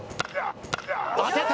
当てた！